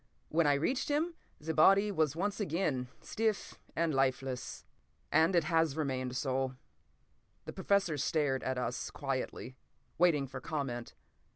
When I reached him, the body was once again stiff and lifeless. And—it has remained so." The Professor stared at us quietly, waiting for comment.